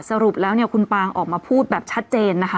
สรุปแล้วเนี่ยคุณปางออกมาพูดแบบชัดเจนนะคะ